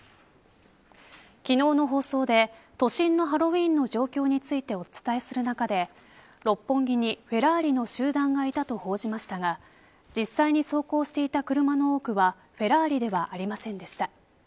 昨日の放送で都心のハロウィーンの状況についてお伝えする中で六本木に、フェラーリの集団がいたと報じましたが実際に走行していた車の多くはフェラーリではありませんでした。